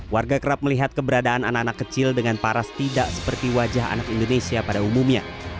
warga kerap melihat keberadaan anak anak kecil dengan paras tidak seperti wajah anak indonesia pada umumnya